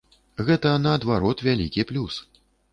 Гэта, наадварот, вялікі плюс.